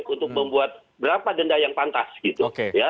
untuk membuat berapa denda yang pantas gitu ya